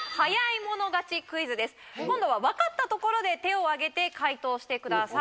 今度は分かったところで手を挙げて解答してください。